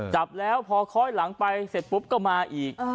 จับแล้วพอค้อยหลังไปเสร็จปุ๊บก็มาอีก